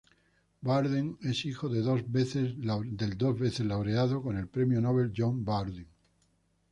Bardeen es hijo del dos veces laureado con el premios Nobel John Bardeen.